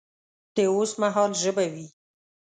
د اوس مهال ژبه وي